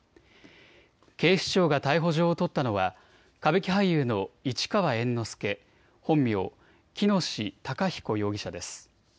警視庁が逮捕状を取ったのは歌舞伎俳優の市川猿之助、本名、喜熨斗孝彦容疑者です。